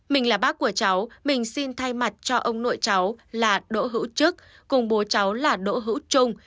mình là bác của cháu mình xin thay mặt cho ông nội cháu là đỗ hữu trức cùng bố cháu là đỗ hữu trung